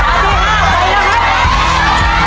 อ่ะปลอดภัย